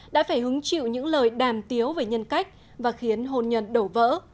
đã phải hứng chịu những lời đàm tiếu về nhân cách và khiến hồn nhận đổ vỡ